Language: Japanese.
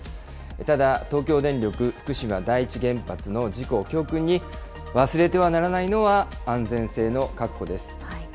ただ、東京電力福島第一原発の事故を教訓に、忘れてはならないのは、安全性の確保です。